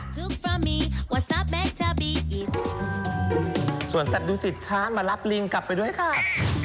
ส่วนแสดดูสิทธิ์ค้ามารับลิงกลับไปด้วยค่ะ